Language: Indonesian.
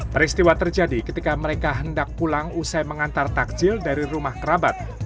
peristiwa terjadi ketika mereka hendak pulang usai mengantar takjil dari rumah kerabat